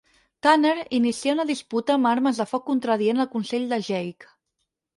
Tanner inicia una disputa amb armes de foc contradient el consell de Jake.